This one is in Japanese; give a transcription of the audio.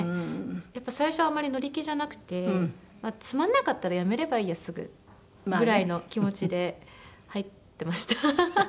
やっぱり最初はあんまり乗り気じゃなくてつまんなかったらやめればいいやすぐぐらいの気持ちで入ってました。